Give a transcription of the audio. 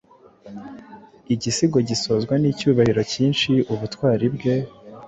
Igisigo gisozwa nicyubahiro cyinshi ubutwari bwe